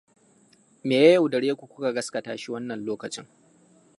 Me ya yaudare ku kuka gaskata shi wannan lokacin?